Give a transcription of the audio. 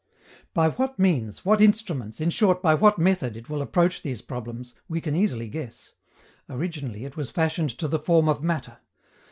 By what means, what instruments, in short by what method it will approach these problems, we can easily guess. Originally, it was fashioned to the form of matter.